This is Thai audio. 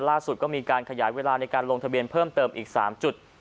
ล่าสุดก็มีการขยายเวลาในการลงทะเบียนเพิ่มเติมอีก๓จุด